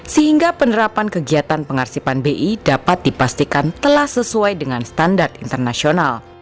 sehingga penerapan kegiatan pengarsipan bi dapat dipastikan telah sesuai dengan standar internasional